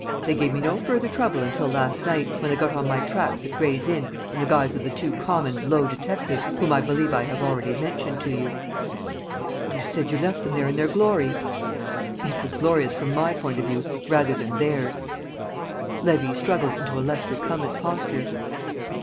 They gave me no further trouble until last night, when they got on my tracks at Gray's Inn in the guise of the two common, low detectives whom I believe I have already mentioned to you." "You said you left them there in their glory." "It was glorious from my point of view rather than theirs." Levy struggled into a less recumbent posture.